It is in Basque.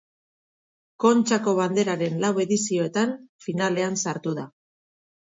Kontxako Banderaren lau edizioetan finalean sartu da.